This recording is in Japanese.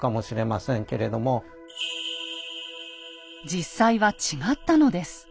実際は違ったのです。